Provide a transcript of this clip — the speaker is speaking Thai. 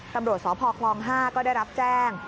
ตำรวจสพคลอง๕ก็ได้รับแจ้ง